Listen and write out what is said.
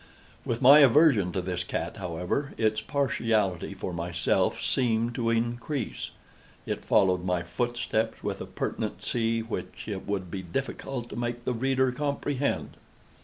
With my aversion to this cat, however, its partiality for myself seemed to increase. It followed my footsteps with a pertinacity which it would be difficult to make the reader comprehend.